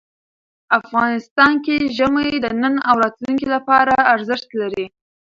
افغانستان کې ژمی د نن او راتلونکي لپاره ارزښت لري.